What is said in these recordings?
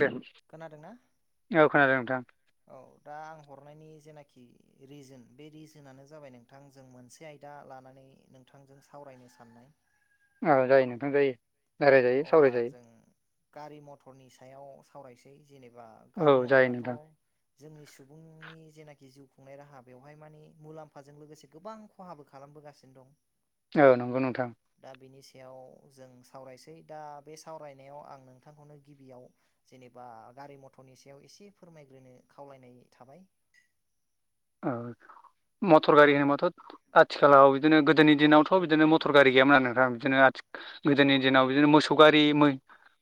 दे खोनादोंना औ खोनादों नोंथां औ दा आं हरनायनि जेनाखि रिजोन बे रिजोनानो जाबाय नोंथां जों मोनसे आयदा लानानै नोंथांजों सावरायनो साननाय ओ जायो नोंथां जायो रायलायजायो अब्ला सावरायजायो जों गारि मथरनि सायाव सावरायनोसै जेनेबा गारि औ जायो मथराथ' नोंथां जोंनि सुबुंनि जेनाखि जिउ खुंनाय राहा बेवहाय मानि मुलाम्फाजों लोगोसे गोबां खहाबो खालामो बोगासिनो दं। औ नंगौ नोंथां याव जों सावरायसै। दा बे सावरायनायाव आं नोंथांखौनो गिबियाव जेनेबा गारि मथरनि सायाव एसे फोरमाय -नो खावलायनाय थाबाय औ। मटर गारि होनोबाथ' आथिखालाव बिदिनो गोदोनि दिनावथ' बिदिनो मटर गारि गैयामोन आरो नोंथां बिदिनो आथि गोदोनि दिनाव बिदिनो मोसौ गारि मै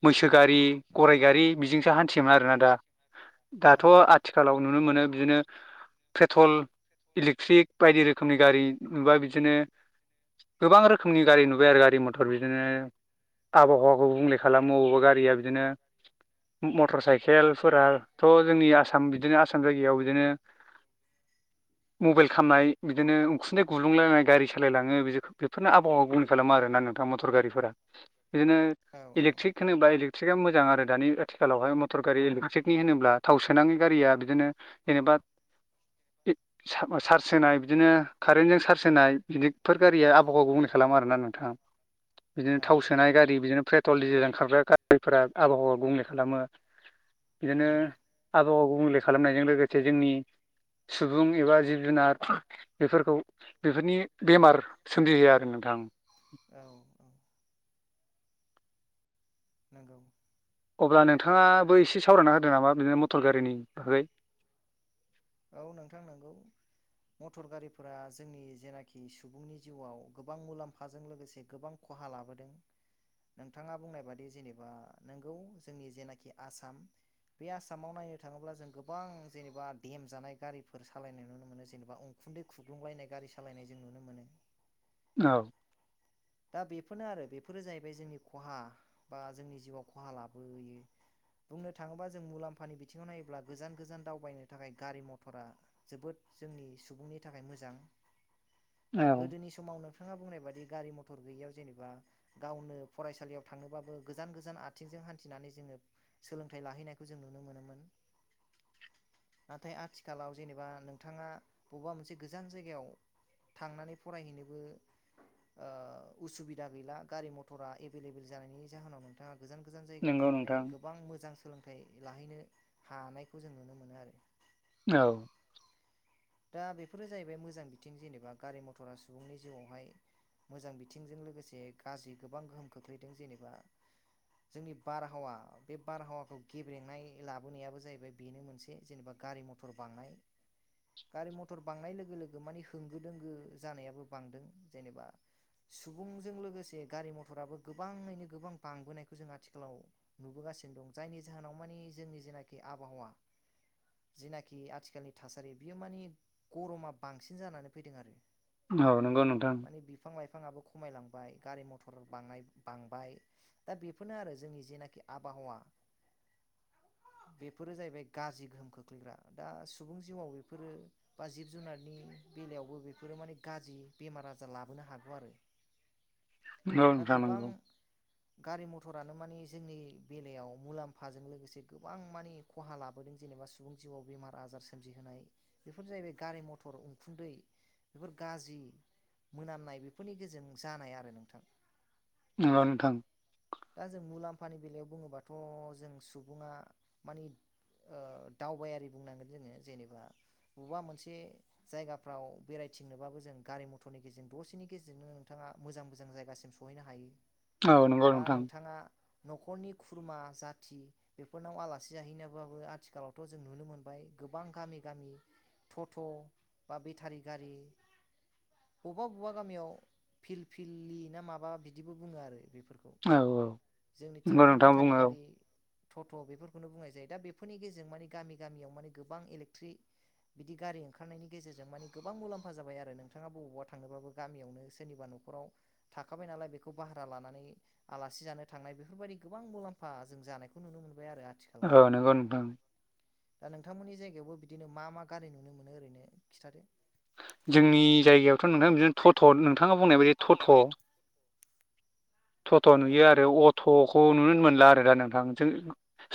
मैसो गारि गराइ गारि बिजोंसो हान्थियोमोन आरोना दा औ दाथ' आथिखालाव नुनो मोनो बिदिनो पेट्रल इलेक्ट्रिक बायदि रोखोमनि गारि नुबा बिदिनो गोबां रोखोमनि गारि नुबाय आरो गारि मथर बिदिनो आबहावाखौ गुबुंले खालामो बबेबा गारिया बिदिनो मटर साइकेलफोराथ' जोंनि आसाम बिदिनो आसाम जायगायाव बिदिनो मबाइल खामनाय बिदिनो उखुन्दै गुलुंलायनाय गारि सालायलाङो बि बेफोरनो आबहावा खालामो आरो नोंथां मथर गारिफोरा बिदिनो औ औ इलेकट्रिक होनोब्ला इलेकट्रिकआ मोजां आरो। दानि आथिखालावहाय मटर गारि इलेकट्रिकनि होनोब्ला थाव सोनाङि गारिया बिदिनो जेनेबा चार्ज होनाय बिदिनो कारेन्टजों चार्ज होनाय बिदिफोर गारिया आबहावा गुबुंले खालामो आरोना नोंथाङा औ बिदिनो थाव सोनाय गारि बिदिनो पेट्रल डिजेल ओंखारग्रा गारिफोरा आबहावा गुंबुंले खालामो औ बिदिनो आबहावाखौ गुबुंले खालामनायजों लोगोसे जोंनि सुबुं एबा जिब जुनार बेफोरखौ बेफोरनि बेमार सोमजिहोयो आरो नोंथां औ-औ। नोंगौ। अब्ला नोंथाङाबो एसे सावरायना होदो नामा बिदिनो मटर गारिनि बागै औ नोंथां नंगौ। मथर गारिफोरा जोंनि जेनाखि सुबुंनि जिउआव गोबां मुलाम्फाजों लोगोसे गोबां ख खहा लाबोदों। नोंथाङा बुंनाय बादि जेनेबा नोंगौ जोंनि जेनाखि आसाम बे आसामाव नायनो थाङोब्ला जों गोबां जेनेबा देम जानाय गारिफोर सालायनाय नुनो मोनो जेनेबा उखुन्दै खुग्लुंलायनाय गारि सालायनाय जों नुनो मोनो औ दा बेफोरनो आरो बेफोरो जाहैबाय जोंनि खहा बा जोंनि जिउआव खहा लाबोयो बुंनो थाङोबा जों मुलाम्फानि बिथिङाव नायोब्ला गोजान गोजान दावबायनो थाखाय गारि मथरा जोबोद जोंनि सुबुंनि थाखाय मोजां दा औ गोदोनि समाव नोंथाङा बुंनाय बादि गारि म मथर गैयियाव जेनेबा गावनो फरायसालियाव थाङोबाबो गोजान गोजान आथिंजों हान्थिनानै जोङो सोलोंथाइ लाहैनायखौ जों नुनो मोनोमोन। नाथाय आथिखालाव जेनेबा नोंथाङा बबेबा मोनसे गोजान जायगायाव थांनानै फरायहैनोबो उसुबिदा गैला गारि मथरा एभेलेबेल जानायनि जाहोनाव नोंथाङा गोजान गोजान जायगायाव नंगौ थांनानै नोंथां गोबां मोजां सोलोंथाइ लाहैनो थानायखौ जों नुनो मोनो आरो। औ दा बेफोरो जाहैबाय मोजां बिथिं जेनेबा गारि मथरा सुबुंनि जिउआवहाय मोजां बिथिंजों लोगोसे गाज्रि गोबां गोहोम खोख्लैदों जेनेबा जोंनि बारहावा बे बारहावाखौ गेब्रेंनाय लाबोनायाबो जाहैबाय बेनो मोनसे जेनेबा गारि मथर बांनाय गारि मथर बांनाय लोगो-लोगो मानि होंगो दोंगो जानायाबो बांदों जेनेबा। सुबुंजों लोगोसे गारि मथराबो गोबाङैनो गोबां बांबोनायखौ जों आथिखालाव नुबोगा सिनो दं जायनि जाहोनाव मानि जोंनि जेनाखि आबहावा जिनाखि आथिखालनि थासारि बियो मानि गरमा बांसिन जानानै फैदों आरो औ नंगौ नोंथां बिफाङाबो खमायलांबाय गारि मथर बांनाय बांबाय दा बेफोरनो आरो जोंनि जेनाखि आबहाव ना बेफोरो जाहैबाय गाज्रि गोहोम खोख्लैग्रा दा सुबुं जिउआव बेफोरो बा जिब जुनारनि बेलायावबो बेफोरो माने गाज्रि बेमार आजार लाबोनो हागौ आरो। [inaudible] औ दा नोंथां गोबां नंगौ। गारि मथरानो माने जोंनि बेलायाव मुलाम्फाजों लोगोसे गोबां माने खहा लाबोदों जा जेनेबा सुबुं जिउआव बेमार आजार सोमजिहोनाय। बेफोर जाहैबाय गारि मथर उखुन्दै बेफोर गाज्रि मोनामनाय बेफोरनि गेजेरजों जानाय आरो नोंथां नंगौ नोंथां। दा जों मुलाम्फानि बेलायाव बुङोबाथ' जों सुबुङा मानि ओ दावबायारि बुंनांगोन जोङो जेनेबा बबेबा मोनसे जायगाफ्राव बेरायथिंनोबाबो जों गारि मथरनि गेजेरजों दसेनि गेजेरजोंनो नोंथां मोजां मोजां जायगासिम सहैनो हायो औ नंगौ बा नोंथां। नोंथाङा न'खरनि खुरमा जाथि बेफोरनाव आलासि जाहैनोबाबो आथिखालावथ' जों नुनो मोनबाय गोबां गामि गामि थ'थ' बा बेथारि गारि बबेबा बबेबा गामियाव फिल फिललि ना माबा बिदिबो बुङो आरो बेफोर औ औ होनबा नोंथाङा बुङो औ थ'थ' बेफोरखौनो बुंनाय जायो दा बेफोरनि गेजेरजों माने गामि गामियाव माने गोबां इलेक्ट्रि बिदि गारि ओंखारनायनि गेजेरजों माने गोबां मुलाम्फा जायबाय आरो नोंथाङा बबावबा थांनोबाबो गामियावनो सोरनिबा न न'खराव थाखाबाय नालाय बेखौ भारा लानानै आलासि जानो थांनाय बेफोरबायदि गोबां मुलाम्फा जों जानायखौ नुनो मोनो। औ नंगौ नोंथां। दा नोंथांमोननि जायगायावबो बिदिनो मा मा गारि नुनो मोनो ओरैनो खिन्थादो जोंनि जायगायावथ' नोंथां बिदिनो थ'थ' नोंथाङा बुंनाय बायदि थ'थ' थ'थ' औ नुयो आरो अथ' खौ नुनो मोनला आरो दा नोंथां जों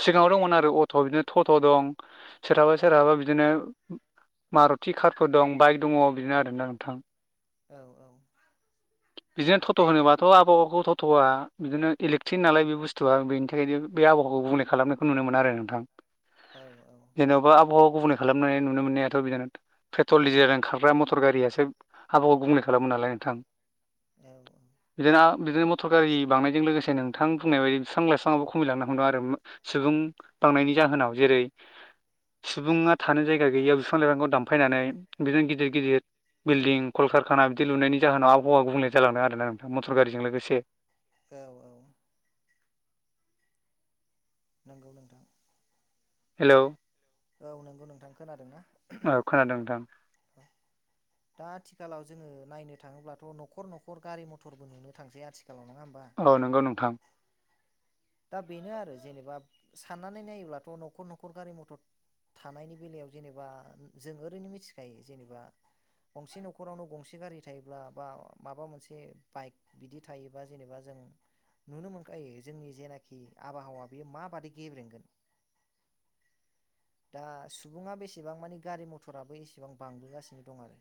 सिगाङाव दंमोन आरो अथ' बिदिनो थ'थ' दं सोरहाबा सोरहाबा बिदिनो मारुथि कारफोर दं बाइक दङ बिदिनो आरोना नोंथां। औ औ। बिदिनो थट' होनोबाथ' आबहखौ थटथ'आ बिदिनो इलेकटिक नालाय बे बुस्थुआ बेनि थाखायनो बे आबहावाखौ गुबुंनायखौ नुनो मोनो आरो नोंथां जेन'बा आबहावा अबुनो खालामनाय नुनो मोननायाथ' [unintelligible] पेथल डिजेलजों खारग्रा मटर गारियासो हाबावा गुबुंले खालामनो। दालाय नोंथां औ औ बिदिनो आ- बिदिनो मथर गारि बांनायजों लोगोसे नोंथां बुंनाय बायदि बिफां लाइफांङाबो खमायलांनो हमदों आरो सुबुं थांनायनि जाहोनाव जेरै सुबुङा थानो जायगा गैयियाव बिफां लाइफांखौ दामफायनानै बिदिनो गिदिर गिदिर बिल्डिं कलकारखाना बिदि लुनायनि जाहोनाव आबहावा गुबुंले जालांदों आरोना नोंथां मटर गारिजों लोगोसे औ औ। नंगौ नोंथां हेल'। औ नोंगौ नोंथां खोनादों ना औ खोनादों नोंथां। [unintelligible] दा आथिखालाव जोङो नायनो थाङोब्लाथ' न'खर न'खर गारि मथरबो नुनो थांसै आथिखा औ नोंगौ नोंथां दा बेनो आरो जेनेबा साननानै नायोब्लाथ' न'खर न'खर गारि मथर थानायनि बेलायाव जेनेबा जों ओरैनो मिथिखायो जेनेबा गंसे न'खरावनो गंसे गारि थायोब्ला बा माबा मोनसे बाइक बिदि थायोबा जेनेबा जों नुनो मोनखायो जोंनि जेना आबहावा बेयो माबादि गेब्रेंगोन दा सुबुङा बेसेबां मानि गारि मथराबो एसेबां बांबोगासिनो दं आरो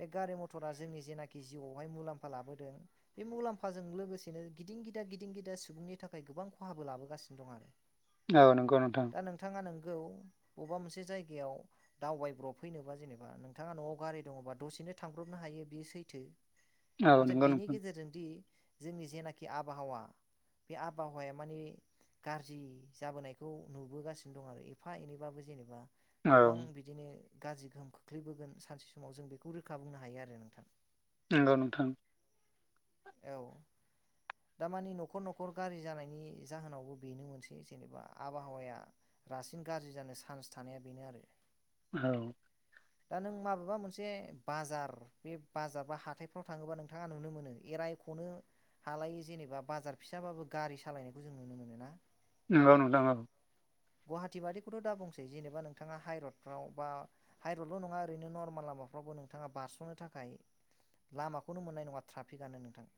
बे गारि मथरा जोंनि जेनाखि जिउआवहाय मुलाम्फा लाबोदों बे मुलाम्फाजों लोगोसेनो गिदिं गिदा गिदिं गिदा सुबुंनि थाखाय गोबां खहाबो लाबोगासिनो दं आरो औ नोंगौ नोंथां। ङा नोंगौ अबा मोनसे जायगायाव दावबायब्रब फैनोबा जेनेबा नोंथाङा न'आव गारि दङबा दसेनो थांब्रबनो हायो बेयो सैथो औ नाथाय नंगौ बिनि नोंथां गेजेरजोंदि जोंनि जेनाखि आबहावा बे आबहावाया मानि गाज्रि जाबोनायखौ नुबोगासिनो दं आरो एफा एनैबाबो जेनेबा औ गोबां बिदिनो गाज्रि गोहोम खोख्लैबोगोन सानसे समाव जों बेखौ रोखा बुंनो हायो आरो नोंथां नोंगौ नोंथां औ। दारमानि न'खर न'खर गारिरि जानायनि जाहोनावबो बेनो मोनसै जेनेबा आबहावाया रासिन गाज्रि जानो चान्स थानाया बेनो आरो औ। दा नों माबेबा मोनसे बाजार बे बाजार बा हाथायफ्राव थाङोबा नोंथाङा नुनो मोनो एरायख'नो हालायि जेनेबा बाजार फिसाबाबो गारि सालायनायखौ जों नुनो मोनो आरो ना? नंगौ नोंथां औ। गुवाहाटि बादिखौथ' दाबुंसै जेनेबा नोंथाङा हाइरडफ्राव बा हाइरडल' नङा ओरैनो नर्माल लामाफ्रावबो नोंथाङा बारस'नो थाखाय लामाखौनो मोननाय नङा ट्राफिकआनो नोंथां।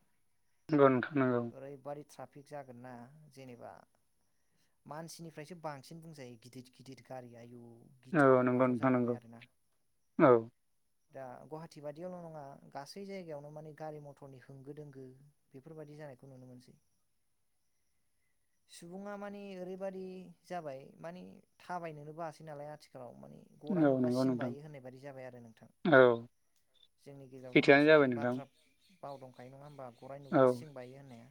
नोंगौ नोथां नोंगौ।। ओरैबादि ट्राफिक जागोन ना जेनेबा मानसिनि ओमफ्रायसो बांसिन बुंजायो गिदिद गिदिद गारि आयु औ गिथाव नोंगौ बाथाव नोंथां जाखाबाय नोंगौ आरोना औ। दा गुवाहाटि बादियावल' नङा गासै जायगायावनो मानि गारि मथरनि होंगो दोंगो बेफोरबायदि जानायखौ नुनो मोनसै सुबुङा माने ओरैबायादि जाबाय मानि थाबायनोनो बासै नालाय आथिखाल औ मानि गराइ औ नुबा नंगौ सिं नोंथां बायो होननाय बायदि जाबाय आरो नोंथां। औ जोंनि गेजेरावथ' सैथोआनो मोनसे जाबाय नोंथां बाथ्रा बाव दंखायो नङा होमबा गरायाइ औ नुब्ला सिं बायो होननाया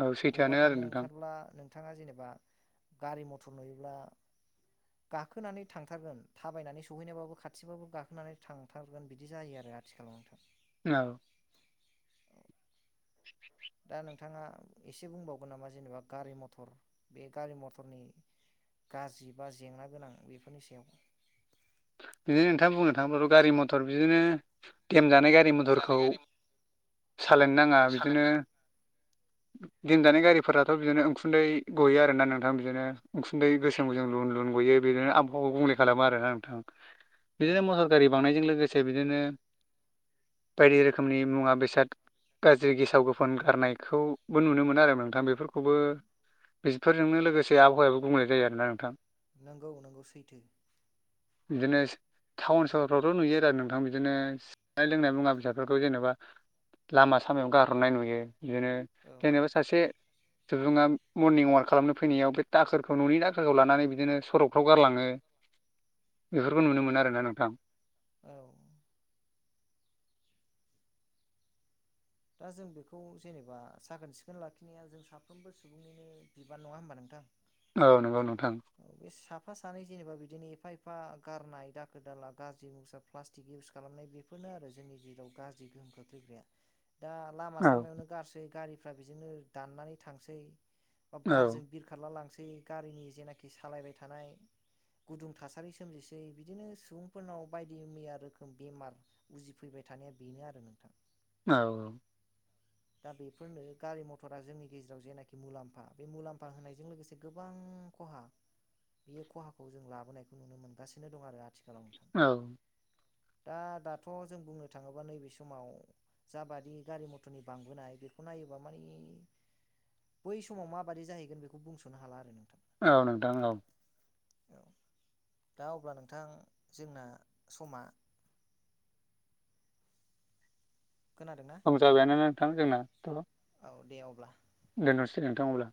औ बबावबा सैथोआनो आरो थांनो नोंथां ओंखारब्ला नोंथाङा जेनेबा गारि मथर नुयोब्ला गाखोनानै थांथारगोन थाबायनानै सहैनायबाबो खाथिबाबो गाखोनानै थांथारगोन बिदि जायो आरो। बे आथिखालावथार। औ। दा नोंथाङा एसे बुंबावगोन नामा जेनेबा गारि मथर बे गारि मथरनि गाज्रि बा जेंना गोनां बेफोरनि सायाव? बिदिनो नोंथां बुंनो थाङोब्लाथ' गारि मथर बिदि खेम नाय गारि मथरखौ सालायनो नाङा बिदिनो [unintelligible] दिन दानाय गारिफोराथ' बिदिनो उखुन्दै गयो आरोना नोंथां बिदिनो उखुन्दै गोसोम गोसोम लुन लुन ग बेयो बेदिनो आबहावाखौ गुबुंले खालामो आरो ना नोंथां। औ बिदिनो मटर गारि बांनायजों लोगोसे बिदिनो बायदि रोखोमनि मुवा बेसाद गाज्रि गेसाव गोफोन गारनायखौबो नुनो मोनो आरो नोंथां बेफोरखौबो बेफोरजोंनो लोगोसे आबहावायाबो बुंलनाय जायो आरोना नोंथां। नोंगौ नंगौ सैथो। बिदिनोस टाउन सहरफ्रावथ' नुयो आरो नोंथां बिदिनो जानाय लोंनाय मुवा बेसादफोरखौ जेनेबा लामा सामायाव गारहरनाय नुयो बिदिनो औ जेनेबा सासे सुबुंङा मर्निं अवाक खालामनो फैनायाव बे दाखोरखौ न'नि दाखोरखौ लानानै बिदिनो सरकफ्राव गारलाङो [inaudible] बेफोरखौ नुनो औ मोनो आरोना नोंथां‌। औ दा जों बेखौ जेनेबा साखोन सिखोन लाखिनाया जों साफ्रोमबो सुबुंनिनो बिबान नङा होमबा नोंथां। औ नोंगौ नों बे साफा सानै जेनेबा बिदिनो एफा एफा गारनाय दाखोर दाला गाज्रि मुसारा प्लास्टिक इउस खालामनाय बेफोरनो आरो जों नि गेजेराव गाज्रि गोहोम खोख्लैगाया दा लामा औ सामायावनो गारसै गारिफ्रा बिदिनो दाननानै थांसै। बा औ बारजों बिरखारला लांसै गारिनि जेनाखि सालायबाय थानाय। गुदुं थासारि सोमजिसै बिदिनो सुबुंफोरनाव बायदि मैया रोखोम बेमार उजिफैबाय थानाया बेनो आरो नोंथां। औ औ। दा बेफोरनो गारि मथरा जोंनि गेजेराव जेनाखि मुलाम्फा बे मुलाम्फा होनायजों लोगोसे गोबां बां खहा बेयो खहाखौ जों लाबोनायखौ नुनो मोनगासिनो दं आरो आथिं औ। दा दाथ' जों बुंनो थाङोबा नैबे समाव जाबादि गारि मथरनि बांबोनाय बेखौ नायोबा माने बै समाव माबादि जाहैगोन बेखौ बुंस'नो हाला आरो नोंथां। औ नोंथां औ। औ। दा अब्ला नोंथां जोंना समा खोनादोंना औ जाबायानो नोंथां जोंनाथ'। औ दे अब्ला। दोननोसै नोंथां अब्ला।